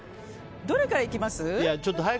どれからいきます？